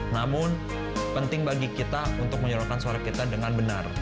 namun penting bagi kita untuk menyorokkan suara kita dengan benar